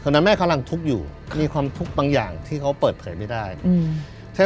นั้นแม่กำลังทุกข์อยู่มีความทุกข์บางอย่างที่เขาเปิดเผยไม่ได้อืมแค่